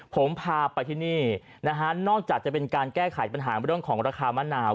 ผมพาไปที่นี่นะฮะนอกจากจะเป็นการแก้ไขปัญหาเรื่องของราคามะนาว